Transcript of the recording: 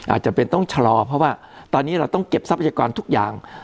อาจจะเป็นต้องรับชะล๖๔ด้านผมเพราะว่าวันนี้เราต้องเก็บทุกอย่าง